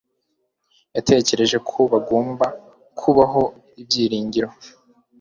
yatekereje ko hagomba kubaho ibyiringiro